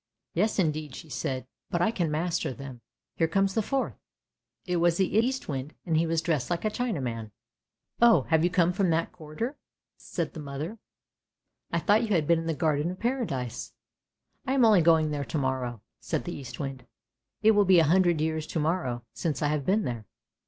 " Yes, indeed," she said; " but I can master them! Here comes the fourth." It was the Eastwind, and he was dressed like a Chinaman. 162 ANDERSEN'S FAIRY TALES " Oh, have you come from that quarter? " said the mother. " I thought you had been in the Garden of Paradise." " I am only going there to morrow! " said the Eastwind. " It will be a hundred years to morrow since I have been there.